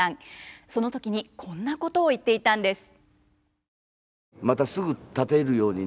その時にこんなことを言っていたんです。